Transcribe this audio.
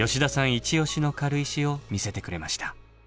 一押しの軽石を見せてくれました。